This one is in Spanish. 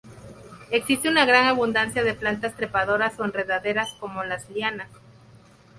Existe una gran abundancia de plantas trepadoras o enredaderas, como las lianas.